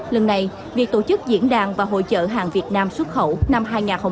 lần này việc tổ chức diễn đàn và hỗ trợ hàng việt nam xuất khẩu năm hai nghìn hai mươi ba